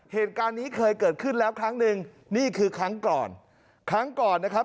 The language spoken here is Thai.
เหตุการณ์นี้เคยเกิดขึ้นแล้วครั้งหนึ่งนี่คือครั้งก่อนครั้งก่อนนะครับ